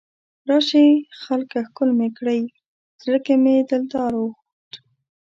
راشئ خلکه ښکل مې کړئ، زړه کې مې دلدار اوخوت